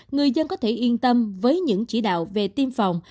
người dân có thể yên tâm với những chỉ đạo về tiêm phòng